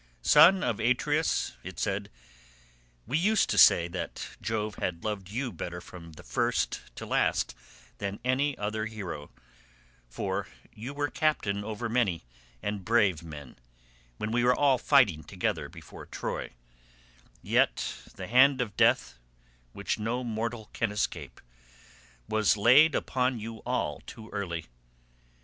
"Son of Atreus," it said, "we used to say that Jove had loved you better from first to last than any other hero, for you were captain over many and brave men, when we were all fighting together before Troy; yet the hand of death, which no mortal can escape, was laid upon you all too early.